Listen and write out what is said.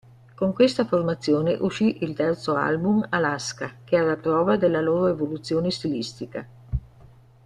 Con questa formazione uscì il terzo album "Alaska", chiara prova della loro evoluzione stilistica.